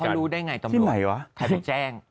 เขาดูได้ไงตำรวจที่ไหนวะใครต้องแจ้ง